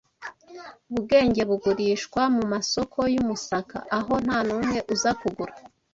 Ubwenge bugurishwa mumasoko yumusaka aho ntanumwe uza kugura